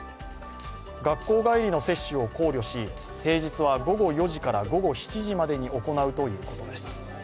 学校帰りの接種を考慮し、平日は午後４時から午後７時までに行うということです。